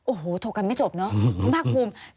โอ้โหโทรกันไม่จบเนอะคุณภาคภูมิ